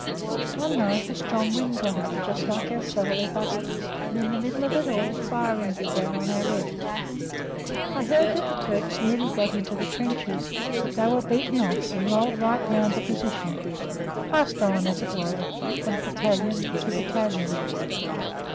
One night a strong wind got up, just like our "Southerly Busters," and in the middle of it all firing began on our left. I heard that the Turks nearly got into the trenches, but they were beaten off and rolled right round the position passed on, as it were, from battalion to battalion.